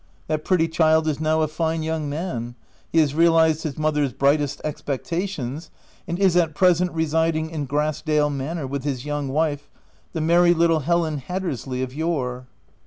That pretty child is now a fine young man : he has realized his mother's brightest expectations, and is at present residing in Grass dale manor with his young wife, the merry little Helen Hattersley, of yore.